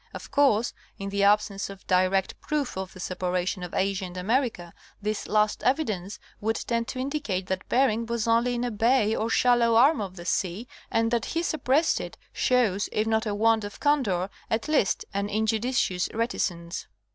Of course in the absence of direct proof of the separation of Asia and America this last 'evidence would tend to indicate that Bering was only in a bay or shallow arm of the sea and that he suppressed it shows, if not a want of candor, at least an injudicious reticence.